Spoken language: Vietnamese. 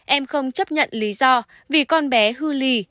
em không chấp nhận lý do vì con bé hư lì